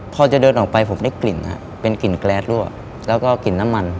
พอจะเดินออกไปผมได้กลิ่นเป็นกลิ่นแกรสรั่วแล้วก็กลิ่นน้ำมัน